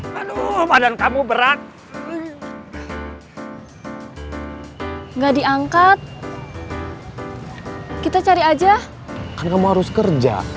hai padamu berat enggak diangkat kita cari aja kamu harus kerja